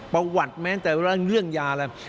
ประวัติแม้แต่เรื่องยาแหละ